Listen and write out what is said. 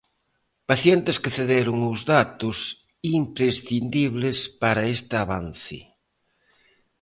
Pacientes que cederon os datos imprescindibles para este avance.